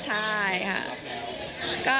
ใช่ค่ะ